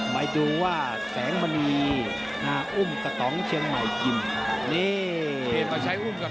ไปดูว่าแสงมณีอุ้มกระต๋องเชียงใหม่ยิ่ม